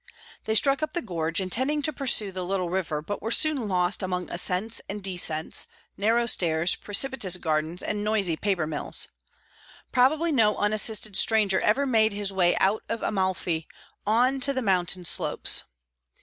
They struck up the gorge, intending to pursue the little river, but were soon lost among ascents and descents, narrow stairs, precipitous gardens, and noisy paper mills. Probably no unassisted stranger ever made his way out of Amalfi on to the mountain slopes.